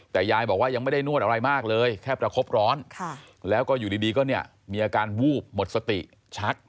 แต่ยายบอกว่ายังไม่ได้นวดอะไรมากเลยแค่ประคบร้อนแล้วก็อยู่ดีก็เนี่ยมีอาการวูบหมดสติชัก